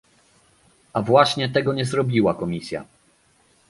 A właśnie tego nie zrobiła Komisja